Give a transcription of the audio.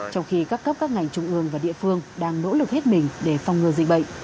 trong khi các cấp các ngành trung ương và địa phương đang nỗ lực hết mình để phòng ngừa dịch bệnh